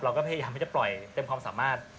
เราก็พยายามที่จะปล่อยเต็มความสามารถ